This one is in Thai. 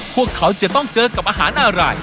พวกเขาจะต้องเจอกับอาหารอะไร